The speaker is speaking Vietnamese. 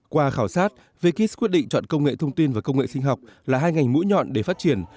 qua khảo sát wis quyết định chọn công nghệ thông tin và công nghệ sinh học là hai ngành mũi nhọn để phát triển